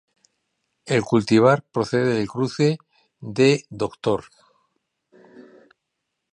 El cultivar procede del cruce de 'Dr.